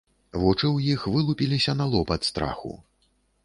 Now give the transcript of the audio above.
Вочы ў іх выпучыліся на лоб ад страху.